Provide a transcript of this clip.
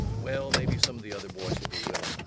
Well, maybe some of the other boys will be willing.